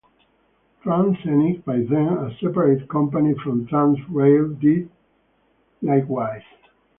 Tranz Scenic, by then a separate company from Tranz Rail, did likewise.